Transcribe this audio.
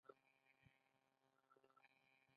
پښتو دواړو لورو ته ګډ میراث دی.